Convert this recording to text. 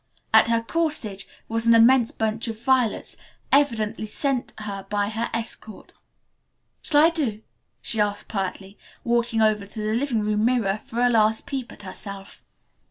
At her corsage was an immense bunch of violets, evidently sent her by her escort. "Shall I do?" she asked pertly, walking over to the living room mirror for a last peep at herself.